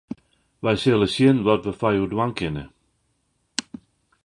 Wy sille sjen wat we foar jo dwaan kinne.